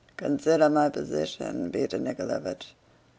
"Consider my position, Peter Nikoláevich.